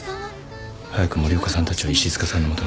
早く森岡さんたちを石塚さんの元に。